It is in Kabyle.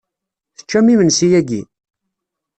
Teččam imensi yagi?